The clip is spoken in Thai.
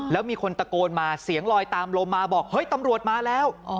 แล้วมีคนตะโกนมาเสียงลอยตามลมมาบอกเฮ้ยตำรวจมาแล้ว